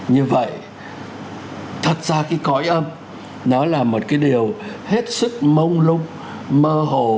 như vậy thật ra cái cõi âm nó là một cái điều hết sức mông lung mơ hồ